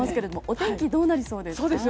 お天気、どうなりそうですか？